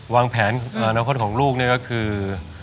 วางแผนอนาคตของลูกนี่ก็คือ